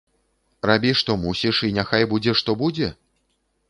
Рабі, што мусіш, і няхай будзе, што будзе?